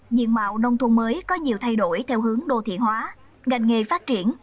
diện mạo nông thôn mới có nhiều thay đổi theo hướng đô thị hóa ngành nghề phát triển